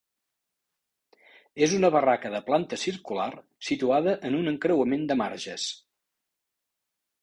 És una barraca de planta circular situada en un encreuament de marges.